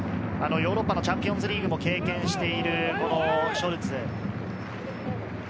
ヨーロッパのチャンピオンズリーグも経験しているショルツ。